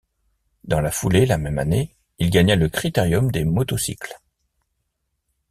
Dans la foulée la même année il gagna le Critérium des motocycles.